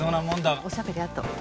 おしゃべりあと。